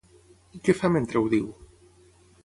Què fa mentre ho diu?